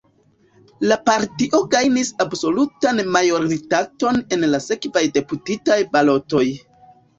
La partio gajnis absolutan majoritaton en la sekvaj deputitaj balotoj.